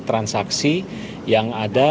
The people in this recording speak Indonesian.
transaksi yang ada